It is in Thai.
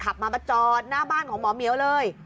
ขับมามาจอดหน้าบ้านของหมอเหมียวเลย